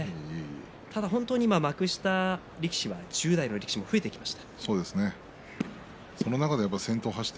ただ本当に幕下の力士１０代の力士も増えてきました。